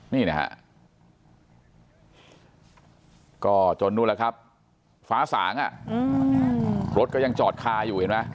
นี่นะฮะก็จนนู่นแล้วครับฟ้าสางรถก็ยังจอดคาอยู่เห็นไหม